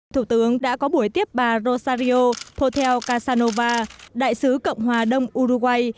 thủ tướng đã có buổi tiếp bà rosario potel casanova đại sứ cộng hòa đông uruguay